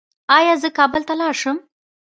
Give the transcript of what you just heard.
ایا زه کابل ته لاړ شم؟